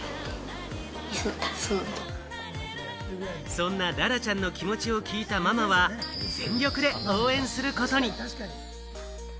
そんな、ららちゃんの気持ちを聞いたママは、全力で応援することに。